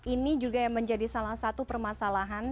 ini juga yang menjadi salah satu permasalahan